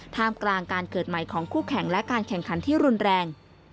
ท่ามกลางการเกิดใหม่ของคู่แข่งและการแข่งขันที่รุนแรง